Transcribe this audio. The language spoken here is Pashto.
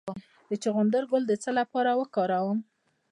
د چغندر ګل د څه لپاره وکاروم؟